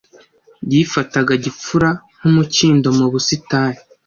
yifataga gipfura, nk'umukindo mu busitani.